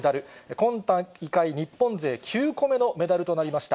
今大会日本勢９個目のメダルとなりました。